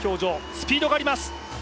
スピードがあります。